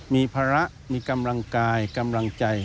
มีภาระมีกำลังกายกำลังใจ